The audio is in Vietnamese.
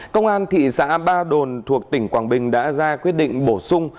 công an thị xã ba đồn thuộc tỉnh quảng bình đã ra quyết định bổ sung